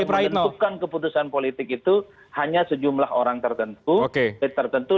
karena yang menentukan keputusan politik itu hanya sejumlah orang tertentu